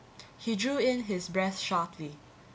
He drew in his breath sharply.